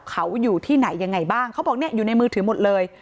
เขาอยู่ที่ไหนยังไงบ้างเขาบอกเนี่ยอยู่ในมือถือหมดเลย